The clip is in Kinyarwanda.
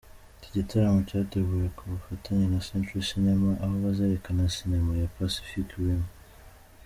Iki gitaramo cyateguwe ku bufatanye na centery cinema; aho bazerekana Cinema ya Pacific Rim.